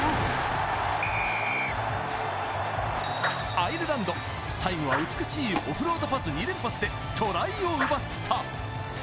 アイルランド、最後は美しいオフロードパス２連発でトライを奪った！